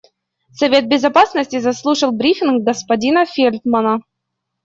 Совет Безопасности заслушал брифинг господина Фелтмана.